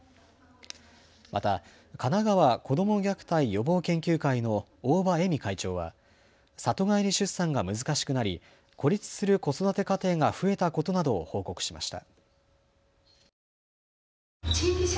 またかながわ子ども虐待予防研究会の大場エミ会長は里帰り出産が難しくなり、孤立する子育て家庭が増えたことなどを報告しました。